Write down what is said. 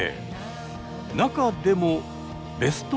中でもベスト３は？